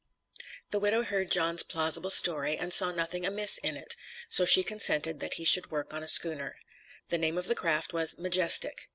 The widow heard John's plausible story, and saw nothing amiss in it, so she consented that he should work on a schooner. The name of the craft was "Majestic."